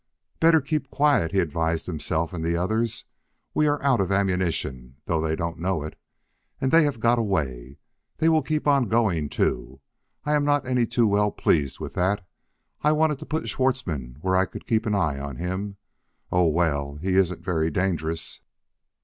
"Better keep quiet," he advised himself and the others. "We are out of ammunition, though they don't know it. And they have got away. They will keep on going, too, and I am not any too well pleased with that. I wanted to put Schwartzmann where I could keep an eye on him.... Oh, well, he isn't very dangerous."